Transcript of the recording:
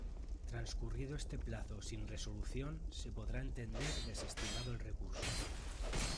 Transcurrido este plazo sin resolución se podrá entender desestimado el recurso.